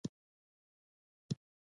له شګو په سلګونو کسان را ووتل.